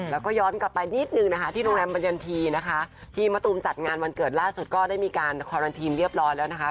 แล้วก็ย้อนกลับไปนิดนึงนะคะที่โรงแรมบรรยันทีนะคะพี่มะตูมจัดงานวันเกิดล่าสุดก็ได้มีการคอรันทีนเรียบร้อยแล้วนะคะ